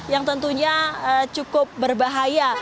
yang tentunya cukup berbahaya